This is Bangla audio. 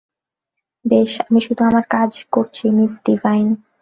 বেশ, আমি শুধু আমার কাজ করছি, মিস ডিভাইন।